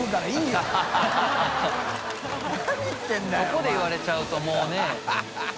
ここで言われちゃうともうね。